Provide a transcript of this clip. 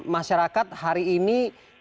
masyarakat hari ini